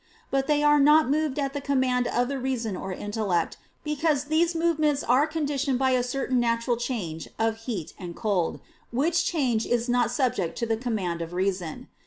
But they are not moved at the command of the reason or intellect, because these movements are conditioned by a certain natural change of heat and cold, which change is not subject to the command of reason.